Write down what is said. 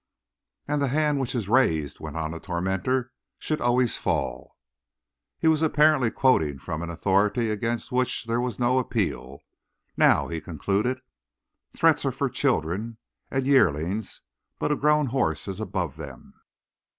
"And the hand which is raised," went on the tormentor, "should always fall." He was apparently quoting from an authority against which there was no appeal; now he concluded: "Threats are for children, and yearlings; but a grown horse is above them."